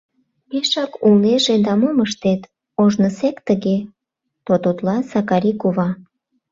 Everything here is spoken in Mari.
— Пешак улнеже да мом ыштет, ожнысек тыге, — тототла Сакари кува.